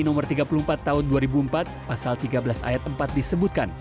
nomor tiga puluh empat tahun dua ribu empat pasal tiga belas ayat empat disebutkan